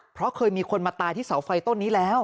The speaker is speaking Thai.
เพราะเคยมีคนมาตายที่เสาไฟต้นนี้แล้ว